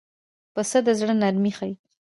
پسه د زړه نرمي ښيي.